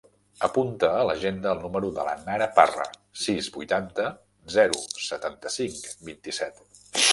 Apunta a l'agenda el número de la Nara Parra: sis, vuitanta, zero, setanta-cinc, vint-i-set.